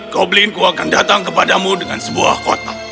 goblinku akan datang kepadamu dengan sebuah kota